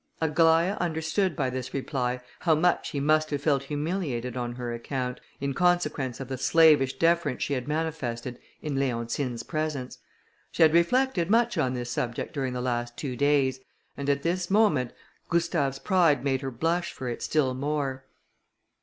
Aglaïa understood by this reply how much he must have felt humiliated on her account, in consequence of the slavish deference she had manifested in Leontine's presence; she had reflected much on this subject during the last two days, and at this moment Gustave's pride made her blush for it still more.